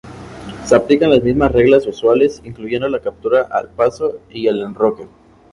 Se aplican las mismas reglas usuales, incluyendo la captura al paso y el enroque.